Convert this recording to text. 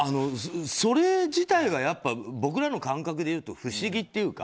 それ自体が僕らの感覚でいうと不思議っていうか。